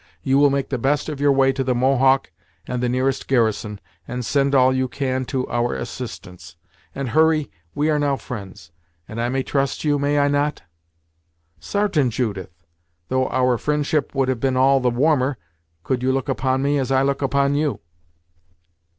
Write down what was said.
You will make the best of your way to the Mohawk, and the nearest garrison, and send all you can to our assistance. And, Hurry, we are now friends, and I may trust in you, may I not?" "Sartain, Judith; though our fri'ndship would have been all the warmer, could you look upon me as I look upon you."